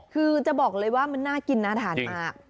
คือจะบอกเลยว่ามันน่ากินน่าทานมาก